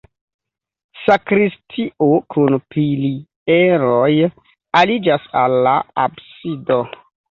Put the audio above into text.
Sakristio kun pilieroj aliĝas al la absido.